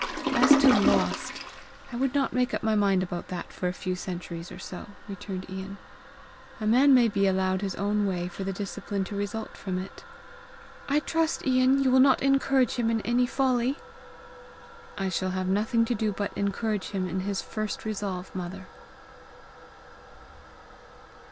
"As to LOST, I would not make up my mind about that for a few centuries or so!" returned Ian. "A man may be allowed his own way for the discipline to result from it." "I trust, Ian, you will not encourage him in any folly!" "I shall have nothing to do but encourage him in his first resolve, mother!"